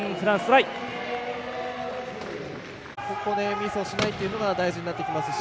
ミスをしないというのが大事になってきますし